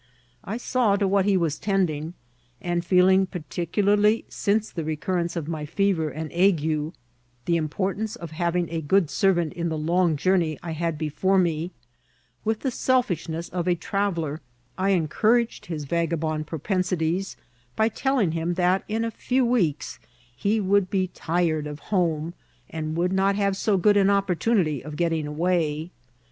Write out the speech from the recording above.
I saw to what he was tending ; and feel ing, particularly since the recurrence of my fever and ague, the importance of having a good servant in the long journey I had before me, with the selfishness of a traveller I encouraged his vagabond propensities, by tell* ing him that in a few weeks he would be tired of home, and would not have so good an opportunity of getting away.